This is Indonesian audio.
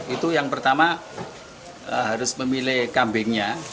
itu yang pertama harus memilih kambingnya